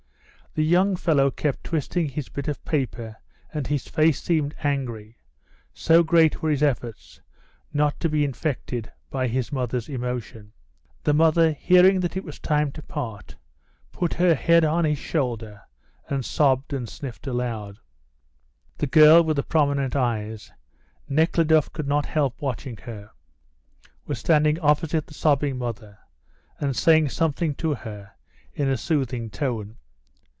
The young fellow kept twisting his bit of paper and his face seemed angry, so great were his efforts not to be infected by his mother's emotion. The mother, hearing that it was time to part, put her head on his shoulder and sobbed and sniffed aloud. The girl with the prominent eyes Nekhludoff could not help watching her was standing opposite the sobbing mother, and was saying something to her in a soothing tone.